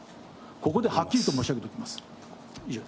ここではっきりと申し上げておきます。